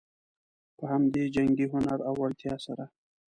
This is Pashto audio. په همدې جنګي هنر او وړتیا سره.